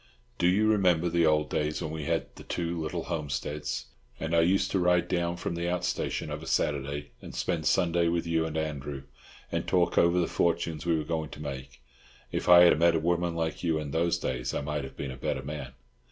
Do you remember the old days when we had the two little homesteads, and I used to ride down from the out station of a Saturday and spend Sunday with you and Andrew, and talk over the fortunes we were going to make? If I had met a woman like you in those days I might have been a better man.